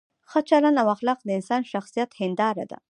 ښه چلند او اخلاق د انسان د شخصیت هنداره ده.